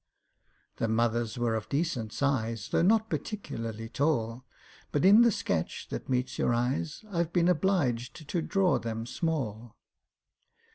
(The mothers were of decent size, Though not particularly tall; But in the sketch that meets your eyes I've been obliged to draw them small.)